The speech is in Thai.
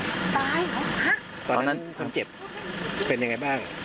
ตายฮะตอนนั้นคนเจ็บเป็นยังไงบ้าง